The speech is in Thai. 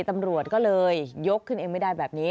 ตำรวจก็เลยยกขึ้นเองไม่ได้แบบนี้